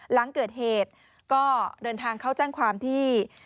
หลังเกิดเหตุก็เดินทางเข้าแจ้งความที่